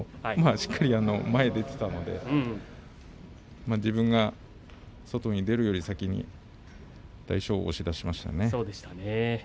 しっかり前に出ていたので自分が外に出るよりも先に大翔鵬を押し出しましたね。